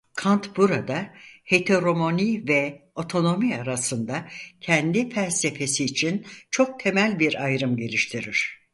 Kant burada heteronomi ve otonomi arasında kendi felsefesi için çok temel bir ayrım geliştirir.